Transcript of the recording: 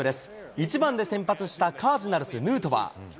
１番で先発したカージナルス、ヌートバー。